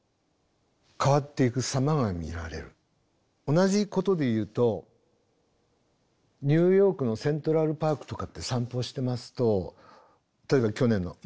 同じことで言うとニューヨークのセントラルパークとかって散歩してますと例えば去年の秋とかすごい落ち葉が多いです。